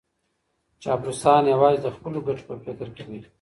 چاپلوسان یوازې د خپلو ګټو په فکر کي وي.